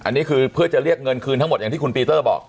อันนี้คือเพื่อจะเรียกเงินคืนทั้งหมดอย่างที่คุณปีเตอร์บอก